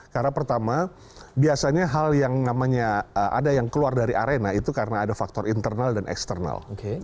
karena pertama biasanya hal yang namanya ada yang keluar dari arena itu karena ada faktor internal dan eksternal